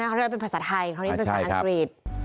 เขาเรียกว่าเป็นภาษาไทยเขาเรียกว่าเป็นภาษาอังกฤษ